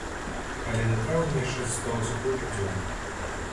Але да траўня яшчэ засталося колькі дзён.